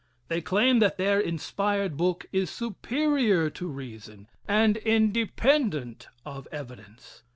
They claim that their inspired book is superior to reason and independent of evidence.